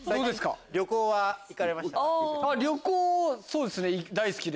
あっ旅行そうですね大好きで。